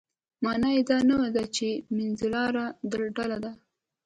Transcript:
معنا یې دا نه ده چې منځلاره ډله ده.